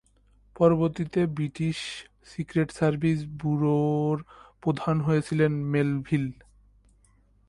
পরবর্তীতে British secret service ব্যুরোর প্রধান হয়েছিলেন মেলভিল।